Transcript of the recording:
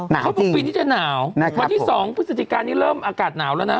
เขาบอกปีนี้จะหนาววันที่๒พฤศจิกานี้เริ่มอากาศหนาวแล้วนะ